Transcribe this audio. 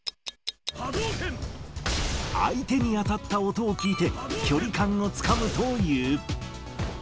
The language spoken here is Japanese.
相手に当たった音を聞いて、距離感をつかむという。